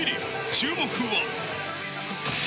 注目は。